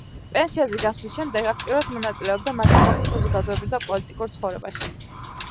პენსიაზე გასვლის შემდეგ აქტიურად მონაწილეობდა მაკედონიის საზოგადოებრივ და პოლიტიკურ ცხოვრებაში.